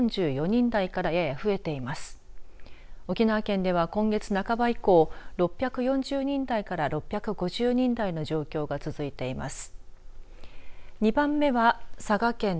沖縄県では今月半ば以降６４０人台から６５０人台の状況が続いています。